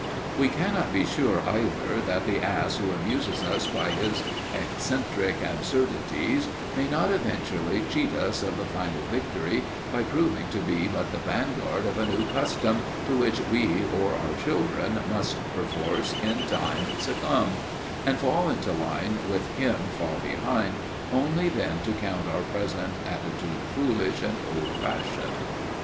We cannot be sure, either, that the ass who amuses us by his eccentric absurdities may not eventually cheat us of the final victory by proving to be but the vanguard of a new custom to which we or our children must, perforce, in time succumb, and fall into line with him far behind, only then to count our present attitude foolish and old fashioned.